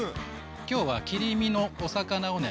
今日は切り身のお魚をね。